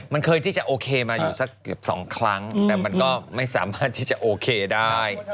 มันเคยที่จะโอเคมาอยู่สักเกือบ๒ครั้งแต่มันก็ไม่สามารถที่จะโอเคได้